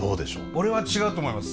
俺は違うと思います。